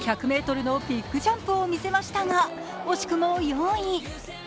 １００ｍのビッグジャンプを見せましたが惜しくも４位。